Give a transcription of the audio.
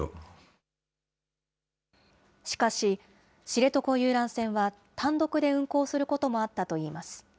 知床遊覧船は、単独で運航することもあったといいます。